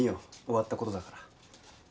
終わったことだから。